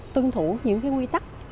tương thủ những quy tắc